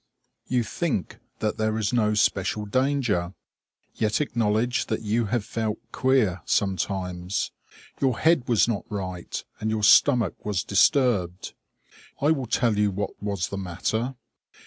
You think that there is no special danger, yet acknowledge that you have felt queer sometimes. Your head was not right, and your stomach was disturbed. I will tell you what was the matter.